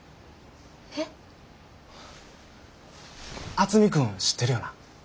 渥美君知ってるよな？